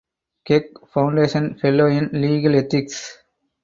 Keck Foundation Fellow in Legal Ethics.